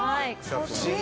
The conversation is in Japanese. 不思議。